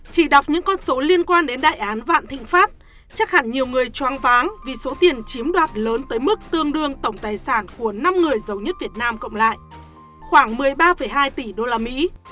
chỉ đọc những con số liên quan đến đại án vạn thịnh pháp chắc hẳn nhiều người choáng váng vì số tiền chiếm đoạt lớn tới mức tương đương tổng tài sản của năm người giàu nhất việt nam cộng lại khoảng một mươi ba hai tỷ đô la mỹ